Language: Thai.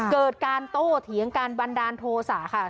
เกิดการโตเถียงการบันดาลโทษะค่ะ